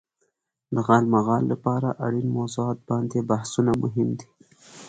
د غالمغال لپاره اړين موضوعات باندې بحثونه مهم دي.